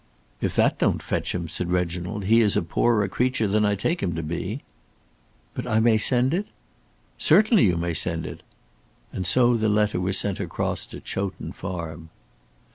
"If that don't fetch him," said Reginald, "he is a poorer creature than I take him to be." "But I may send it?" "Certainly you may send it." And so the letter was sent across to Chowton Farm.